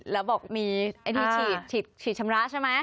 แล้วบอกมีไอ้ที่ฉีดชำระใช่ไหม